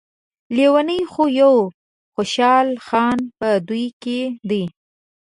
لیونی خو يو خوشحال خان په دوی کې دی.